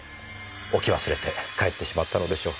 置き忘れて帰ってしまったのでしょう。